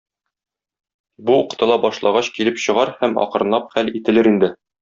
Бу укытыла башлагач килеп чыгар һәм акрынлап хәл ителер инде.